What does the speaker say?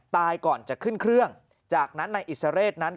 ตายก่อนจะขึ้นเครื่องจากนั้นนายอิสระเรศนั้น